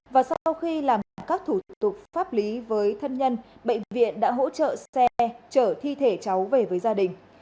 và sau khi làm các thủ tục pháp lý với thân nhân bệnh viện đã hỗ trợ xe trở thi thể cháu về với gia đình